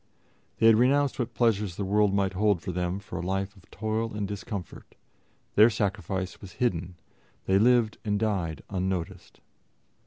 They had renounced what pleasures the world might hold for them for a life of toil and discomfort; their sacrifice was hidden; they lived and died unnoticed.